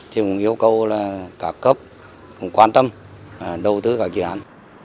thì cũng yêu cầu là các cấp cũng quan tâm đầu tư các dự án